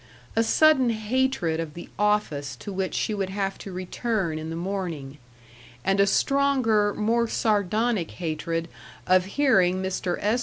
A sudden hatred of the office to which she would have to return in the morning, and a stronger, more sardonic hatred of hearing Mr. S.